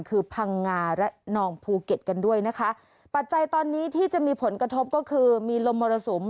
คือพังงาระนองภูเก็ตกันด้วยนะคะปัจจัยตอนนี้ที่จะมีผลกระทบก็คือมีลมมรสุม